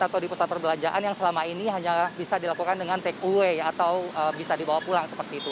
atau di pusat perbelanjaan yang selama ini hanya bisa dilakukan dengan take away atau bisa dibawa pulang seperti itu